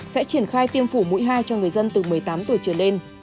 sẽ triển khai tiêm phủ mũi hai cho người dân từ một mươi tám tuổi trở lên